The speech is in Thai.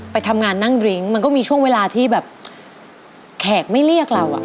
ไปทำงานนั่งดริ้งมันก็มีช่วงเวลาที่แบบแขกไม่เรียกเราอ่ะ